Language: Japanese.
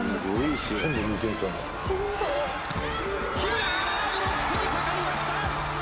木村ブロックにかかりました。